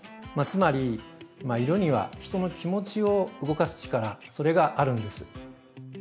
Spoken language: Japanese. つまり色には人の気持ちを動かす力それがあるんです。